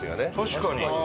確かに。